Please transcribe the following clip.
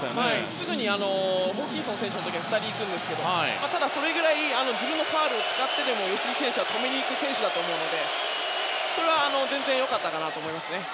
すぐにホーキンソン選手の時には２人行くんですけどただ、それぐらい自分のファウルを使ってでも吉井選手は止めに行く選手だと思うのでそれは全然良かったかなと思います。